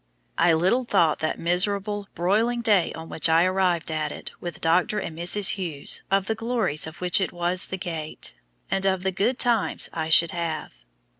I little thought that miserable, broiling day on which I arrived at it with Dr. and Mrs. Hughes, of the glories of which it was the gate, and of the "good times" I should have.